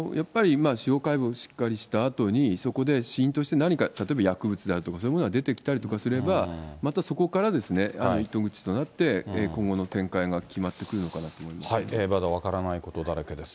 やっぱり司法解剖をしっかりしたあとに、そこで死因として何か、例えば薬物であるとか、そういうものが出てきたりすれば、またそこからですね、糸口となって、今後の展開が決ままだ分からないことだらけです。